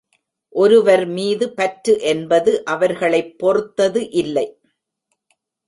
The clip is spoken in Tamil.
ஒருவர் மீது பற்று என்பது அவர்களைப் பொறுத்தது இல்லை.